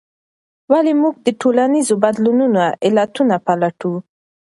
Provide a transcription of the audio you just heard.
ولې موږ د ټولنیزو بدلونونو علتونه پلټو؟